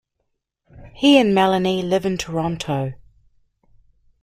He and Melanie live in Toronto.